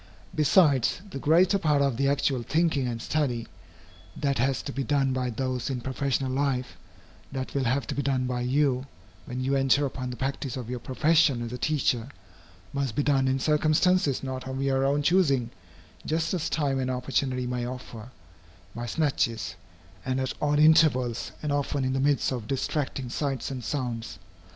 Besides, the greater part of the actual thinking and study, that has to be done by those in professional life, that will have to be done by you, when you enter upon the practice of your profession as a teacher, must be done in circumstances not of your own choosing, just as time and opportunity may offer, by snatches, and at odd intervals, and often in the midst of distracting sights and sounds.